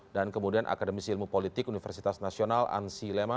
dan kemudian akademisi ilmu politik universitas nasional ansi lema